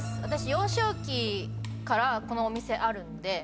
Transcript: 幼少期からこのお店あるんで。